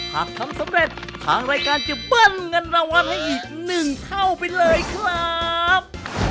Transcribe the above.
หากทำสำเร็จทางรายการจะเบิ้ลเงินรางวัลให้อีก๑เท่าไปเลยครับ